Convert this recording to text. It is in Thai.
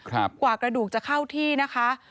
กว่ากระดูกจะเข้าที่นะคะ